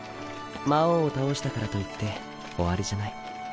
魔王を倒したからといって終わりじゃない。